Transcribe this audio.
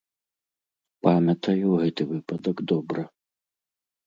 Памятаю гэты выпадак добра.